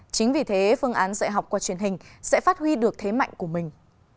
chính vì thế phương án dạy học qua truyền hình sẽ phát huy được thế mạnh của mình